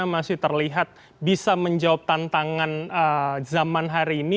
masih terlihat bisa menjawab tantangan zaman hari ini